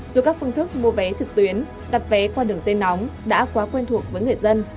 dù các phương thức mua vé trực tuyến đặt vé qua đường dây nóng đã quá quen thuộc với người dân